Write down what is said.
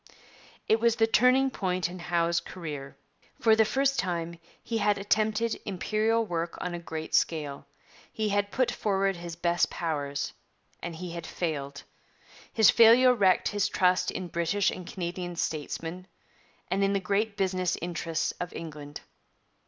' It was the turning point in Howe's career. For the first time he had attempted Imperial work on a great scale; he had put forward his best powers; and he had failed. His failure wrecked his trust in British and Canadian statesmen, and in the great business interests of England.